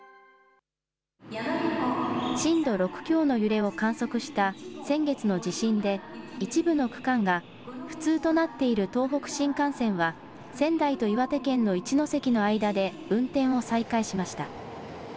震度６強の揺れを観測した先月の地震で、一部の区間が不通となっている東北新幹線は、仙台と岩手県の一ノ関の間で運転を再開しました。